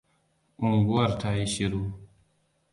Unguwar tayi shiru.